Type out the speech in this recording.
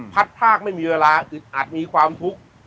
ภาคไม่มีเวลาอึดอัดมีความทุกข์